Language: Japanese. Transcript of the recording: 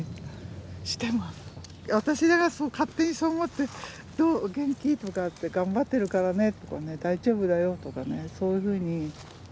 私が勝手にそう思って「どう元気？」とかって「頑張ってるからね」とか「大丈夫だよ」とかねそういうふうに。